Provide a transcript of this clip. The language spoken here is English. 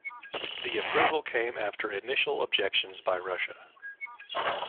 The approval came after initial objections by Russia.